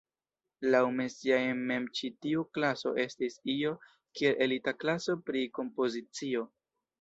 Laŭ Messiaen mem ĉi tiu klaso estis io kiel elita klaso pri kompozicio.